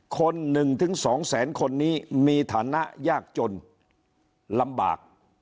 คนหนึ่งถึงสองแสนคนนี้มีฐานะยากจนลำบาก